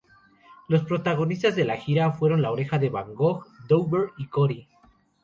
Los protagonistas de la Gira fueron La Oreja de Van Gogh, Dover y Coti.